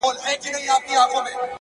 د اوښ بـارونـه پـــه واوښـتـل-